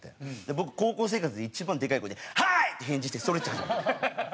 僕高校生活で一番でかい声で「はい！」って返事してストレッチ始めて。